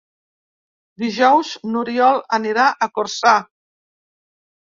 Dijous n'Oriol anirà a Corçà.